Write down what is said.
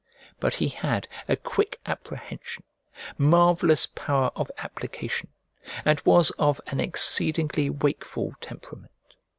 But he had a quick apprehension, marvellous power of application, and was of an exceedingly wakeful temperament.